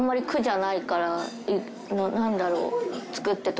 何だろう。